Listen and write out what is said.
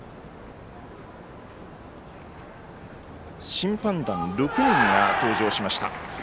審判団６人が登場しました。